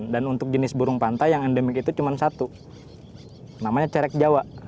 dan untuk jenis burung pantai yang endemik itu cuma satu namanya cereg jawa